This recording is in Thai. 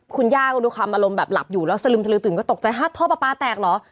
คุณย่าก็ด้วยความอารมณ์แบบหลับอยู่แล้วสลึมทะลึงก็ตกใจฮะท่อปลาปลาแตกเหรอ